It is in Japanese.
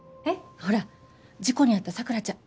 ほら事故に遭った桜ちゃん。